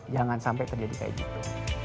jangan sampai terjadi kayak gitu